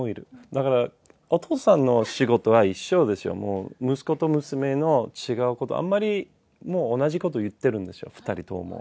だから、お父さんの仕事は一緒でしょう、もう、息子と娘の違うこと、あんまり、もう同じこと言ってるんですよ、２人とも。